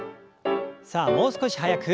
さあもう少し速く。